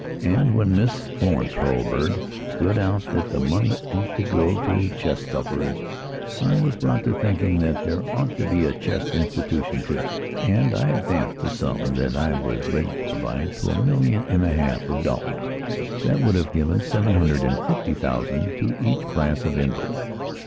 And when Miss Florence Hurlbird stood out that the money ought to go to chest sufferers I was brought to thinking that there ought to be a chest institution too, and I advanced the sum that I was ready to provide to a million and a half of dollars. That would have given seven hundred and fifty thousand to each class of invalid.